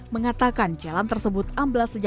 mengatakan jalan tersebut amblas